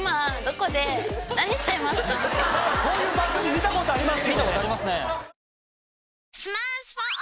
こういう番組見たことあります。